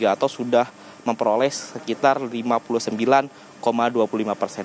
atau sudah memperoleh sekitar lima puluh sembilan dua puluh lima persen